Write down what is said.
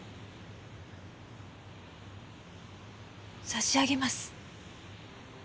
差し上げます。